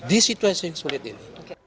di situasi yang sulit ini